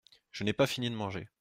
Je n’ai pas fini de manger.